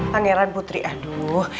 pangeran putri aduh